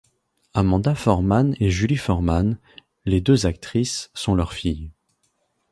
Amanda Foreman et Julie Foreman, les deux actrices sont leurs filles.